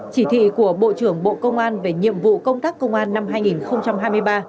chỉ thị của bộ trưởng bộ công an về nhiệm vụ công tác công an năm hai nghìn hai mươi ba